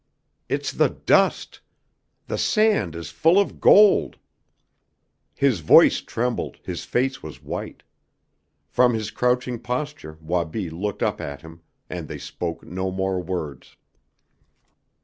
"It's the dust. The sand is full of gold!" His voice trembled, his face was white. From his crouching posture Wabi looked up at him, and they spoke no more words.